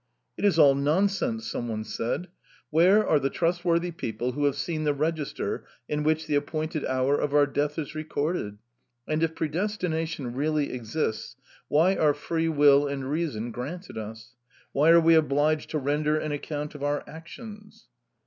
"It is all nonsense!" someone said. "Where are the trustworthy people who have seen the Register in which the appointed hour of our death is recorded?... And if predestination really exists, why are free will and reason granted us? Why are we obliged to render an account of our actions?"